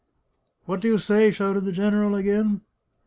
" What do you say ?" shouted the general again.